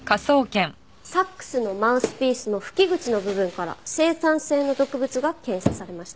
サックスのマウスピースの吹き口の部分から青酸性の毒物が検出されました。